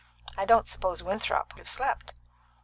I don't suppose Winthrop could have slept."